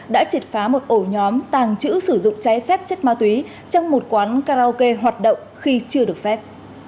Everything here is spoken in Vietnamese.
đã triệt phá một ổ nhóm tàng trữ sử dụng cháy phép chất ma túy trong một quán karaoke hoạt động khi chưa được phép